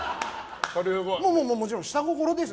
もちろん下心です。